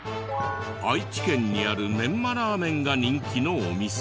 愛知県にあるメンマラーメンが人気のお店。